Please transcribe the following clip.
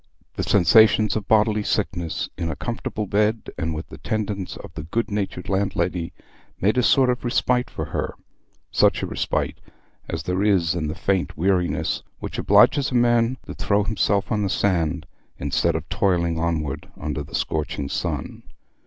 The sensations of bodily sickness, in a comfortable bed, and with the tendance of the good natured landlady, made a sort of respite for her; such a respite as there is in the faint weariness which obliges a man to throw himself on the sand instead of toiling onward under the scorching sun.